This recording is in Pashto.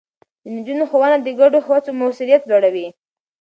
د نجونو ښوونه د ګډو هڅو موثريت لوړوي.